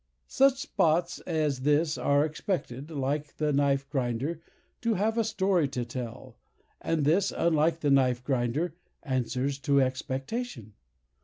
Such spots as this are expected, like the knife grinder, to have a story to tell, and this, unlike the knife grinder, answers to expectation.